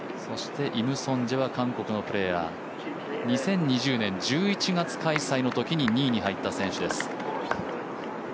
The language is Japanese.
イム・ソンジェは韓国のプレーヤー２０２０年１１月開催のときに２位に入った選手です。